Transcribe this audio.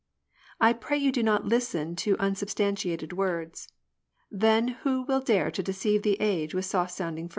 I pray you do not listen to unsubstantiated words : Then who will dare to deceive the age with soft sounding phrases.